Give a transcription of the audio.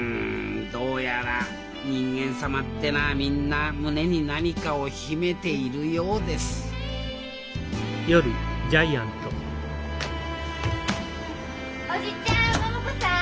どうやら人間様ってのはみんな胸に何かを秘めているようです叔父ちゃん！